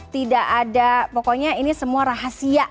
tidak ada pokoknya ini semua rahasia